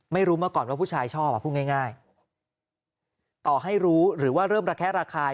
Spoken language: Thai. ไม่รู้มาก่อนว่าผู้ชายชอบอ่ะพูดง่ายต่อให้รู้หรือว่าเริ่มระแคะระคาย